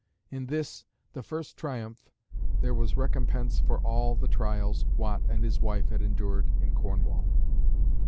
In this, the first triumph, there was recompense for all the trials Watt and his wife had endured in Cornwall.